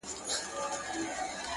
ستا دی که قند دی،